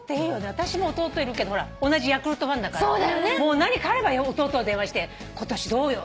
あたしも弟いるけど同じヤクルトファンだから何かあれば弟に電話して「今年どうよ？」